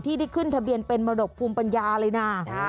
ที่ได้ขึ้นทะเบียนเป็นมรดกภูมิปัญญาเลยนะ